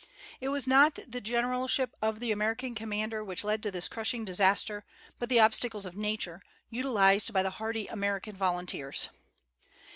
It was not the generalship of the American commander which led to this crushing disaster, but the obstacles of nature, utilized by the hardy American volunteers.